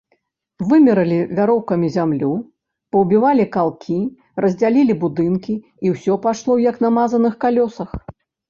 Вымералі вяроўкамі зямлю, паўбівалі калкі, раздзялілі будынкі, і ўсё пайшло, як на мазаных калёсах.